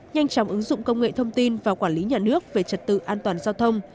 nhanh chóng ứng dụng công nghệ thông tin và quản lý nhà nước về trật tự an toàn giao thông